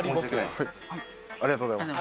ありがとうございます。